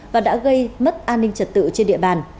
và đã gây mất an ninh trật tự trên địa bàn